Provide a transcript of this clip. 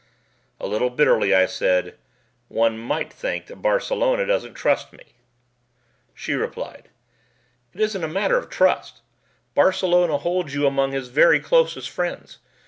A little bitterly I said, "One might think that Barcelona doesn't trust me." She replied, "It isn't a matter of trust. Barcelona holds you among his very closest friends.